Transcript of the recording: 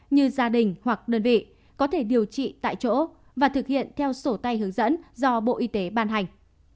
như gia đình hoặc đơn vị có thể điều trị tại chỗ và thực hiện theo sổ tay hướng dẫn do bộ y tế ban hành